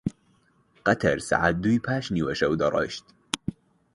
قەتار سەعات دووی پاش نیوەشەو دەڕۆیشت